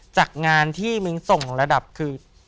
จากงานที่มึงส่งระดับคือ